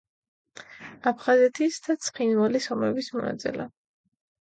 აფხაზეთის და ცხინვალის ომების მონაწილე.